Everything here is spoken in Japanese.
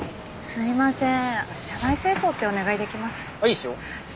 すいません！